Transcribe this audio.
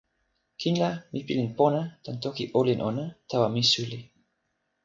kin la mi pilin pona tan toki olin ona tawa mi suli.